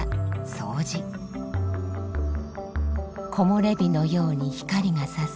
木もれ日のように光がさす